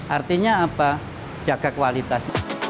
artinya apa jaga kualitas